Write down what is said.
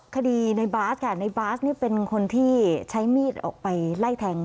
คดีในบาสค่ะในบาสนี่เป็นคนที่ใช้มีดออกไปไล่แทง